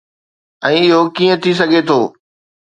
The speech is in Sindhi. ۽ اهو ڪيئن ٿي سگهي ٿو؟